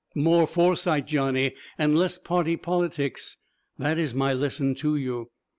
More foresight, Johnny, and less party politics that is my lesson to you."